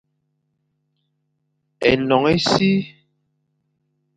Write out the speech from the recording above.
Énoñ e si,